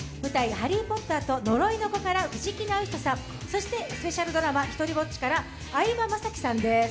「ハリー・ポッターと呪いの子」から藤木直人さん、そしてスペシャルドラマ「ひとりぼっち」から相葉雅紀さんです。